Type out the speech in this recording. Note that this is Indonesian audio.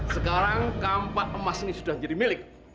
sekarang kampak emas ini sudah jadi milik